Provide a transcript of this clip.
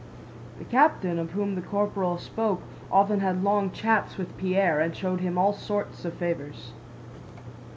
(The captain of whom the corporal spoke often had long chats with Pierre and showed him all sorts of favors.)